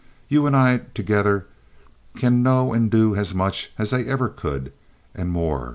"You and I together can know and do as much as they ever could and more.